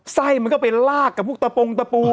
ไส้มันก็ไปลากกับพวกตะปงตะปู